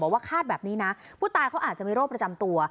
ว่าคาดแบบนี้นะผู้ตายเขาอาจจะมีโรคประจำตัว